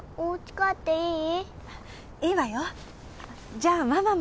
じゃあママも。